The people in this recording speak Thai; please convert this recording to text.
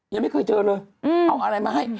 ยังไม่เคยเจอเลยเอาอะไรมาให้